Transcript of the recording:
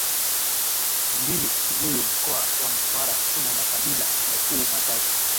Mbili Simiyu Mkoa wa Mtwara una makabila makuu matatu